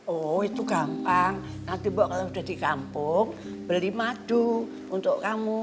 oh itu gampang nanti mbak kalo udah di kampung beli madu untuk kamu